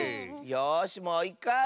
よしもういっかい！